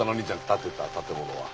建ってた建物は。